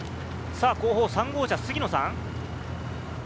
後方３号車、杉野さん。